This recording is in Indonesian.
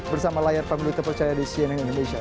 bersama layar pemilu terpercaya di cnn indonesia